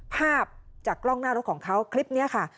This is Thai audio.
ภาพจากกล้องหน้ารถของเขาคลิปนี้ค่ะ